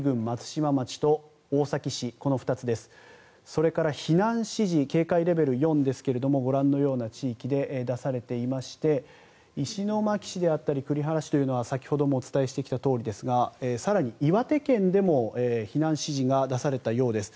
それから避難指示警戒レベル４ですがご覧のような地域で出されていまして石巻市であったり栗原市というのは先ほどもお伝えしてきたとおりですが更に岩手県でも避難指示が出されたようです。